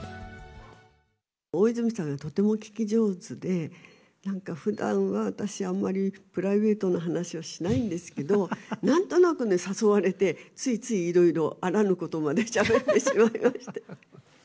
大泉さんがとても聞き上手で、なんかふだんは私、あんまり、プライベートな話はしないんですけれども、なんとなく誘われて、ついついいろいろあらぬことまで、しゃべってしまいました。